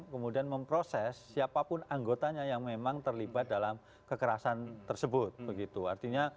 kemudian memproses siapapun anggotanya yang memang terlibat dalam kekerasan tersebut begitu artinya